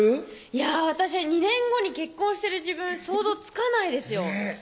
いや私２年後に結婚してる自分想像つかないですよ